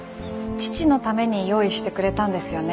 父のために用意してくれたんですよね。